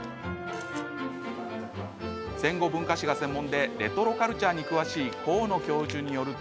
戦後文化史が専門でレトロカルチャーに詳しい高野教授によると。